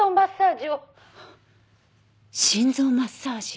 心臓マッサージ。